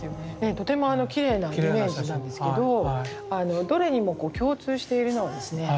とてもきれいなイメージなんですけどどれにも共通しているのはですね